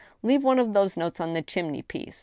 Leave one of those notes on the chimney piece